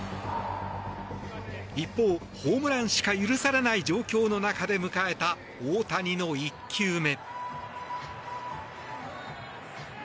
一方、ホームランしか許されない状況の中で迎えた大谷の１球目。